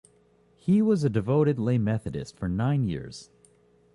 He was a devoted lay Methodist for nine years.